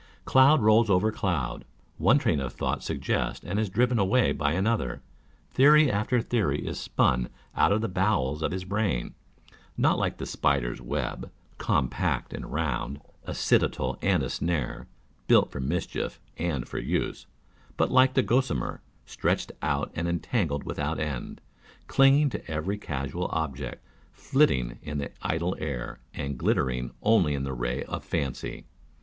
Cloud rolls over cloud; one train of thought suggests and is driven away by another ; theory after theory is spun out of the bowels of his brain, not like the spider's web, compact and round, a citadel and a snare, built for mischief and for use ; but like the gossamer, stretched out and entangled without end, clinging to every casual object, flitting in the idle air, and glittering only in the ray of fancy.